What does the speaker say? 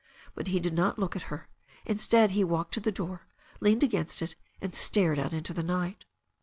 But he did not look at her. Instead he walked to the door, leaned against it, and stared out into the night.